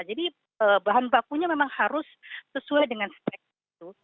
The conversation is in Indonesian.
jadi bahan bakunya memang harus sesuai dengan spek itu